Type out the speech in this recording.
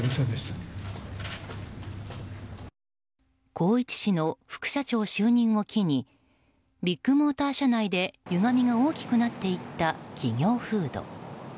宏一氏の副社長就任を機にビッグモーター社内でゆがみが大きくなっていった企業風土。